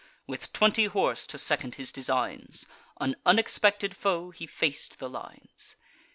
With twenty horse to second his designs, An unexpected foe, he fac'd the lines.